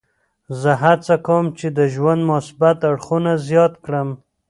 زه هڅه کوم چې د ژوند مثبت اړخونه زیات کړم.